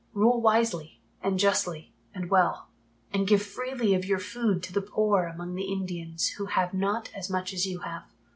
Rule wisely and justly and well, and give freely of your food to the poor among the Indians who have not as much as you have.